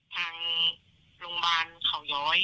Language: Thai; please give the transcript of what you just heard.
ก็มีกังวลบ้างค่ะ